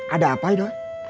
ada apa itu